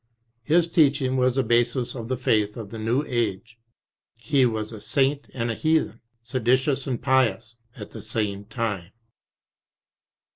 His teaching was the basis of the faith of the new age. He was a Saint and a Heathen, seditious and pious, at the same time.